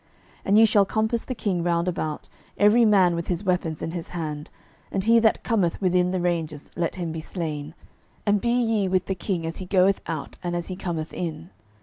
12:011:008 And ye shall compass the king round about, every man with his weapons in his hand: and he that cometh within the ranges, let him be slain: and be ye with the king as he goeth out and as he cometh in.